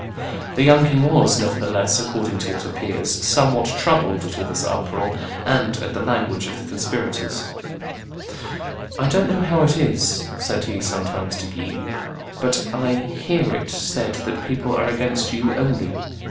[Illustration: Death of La Renaudie 283] The young king was, nevertheless, according to what appears, somewhat troubled at all this uproar and at the language of the conspirators. "I don't know how it is," said he sometimes to the Guises, "but I hear it said that people are against you only.